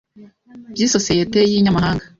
by isosiyete y inyamahanga